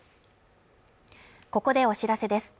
ここでお知らせです。